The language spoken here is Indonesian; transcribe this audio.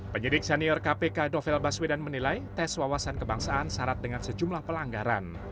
penyidik senior kpk novel baswedan menilai tes wawasan kebangsaan syarat dengan sejumlah pelanggaran